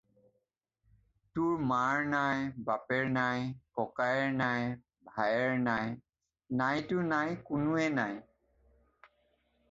তোৰ মাৰ নাই, বাপেৰ নাই, ককায়েৰ নাই, ভায়েৰ নাই, নাইতো নাই কোনোৱে নাই।